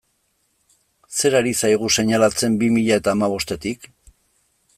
Zer ari zaigu seinalatzen bi mila eta hamabostetik?